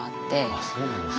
あっそうなんですか。